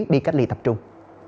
đi cách ly tập trung